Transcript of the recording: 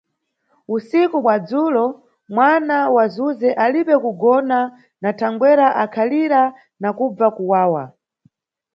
Usiku bwa dzulo, mwana wa Zuze alibe kugona na thangwera ankhalira na kubva kuwawa.